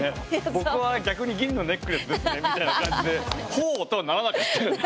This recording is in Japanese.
僕は逆に「銀のネックレス」ですねみたいな感じでならなかった。